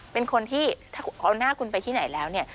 เป็นคนที่ถ้าเอาหน้าคุณไปที่ไหนแล้วเนี่ย